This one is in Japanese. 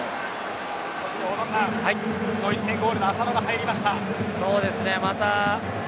そして、小野さんドイツ戦ゴールの浅野が入りました。